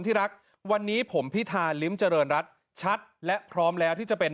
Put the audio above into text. ที่รักวันนี้ผมพิธาลิ้มเจริญรัฐชัดและพร้อมแล้วที่จะเป็น